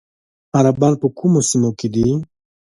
عربان په کومو سیمو کې دي؟